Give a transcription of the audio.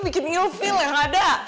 bikin ilvil yang ada